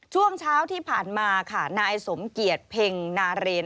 ช่วงเช้าที่ผ่านมาค่ะนายสมเกียจเพ็งนาเรน